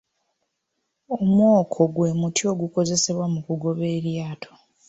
Omwoko gwe muti ogukozesebwa mu kugoba eryato.